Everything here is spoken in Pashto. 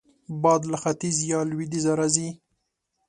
باد له ختیځ یا لوېدیځه راځي